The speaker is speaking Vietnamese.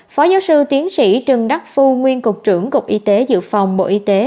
phó giáo sư tiến sĩ trần đắc phu nguyên cục trưởng cục y tế dự phòng bộ y tế